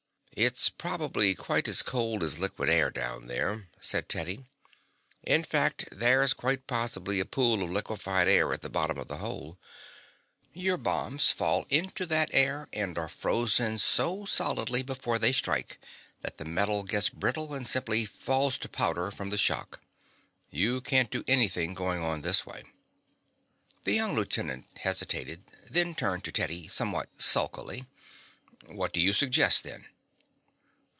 "It's probably quite as cold as liquid air down there," said Teddy. "In fact, there's quite possibly a pool of liquified air at the bottom of the hole. Your bombs fall into that air and are frozen so solidly before they strike that the metal gets brittle and simply falls to powder from the shock. You can't do anything going on this way." The young lieutenant hesitated, then turned to Teddy somewhat sulkily. "What do you suggest, then?"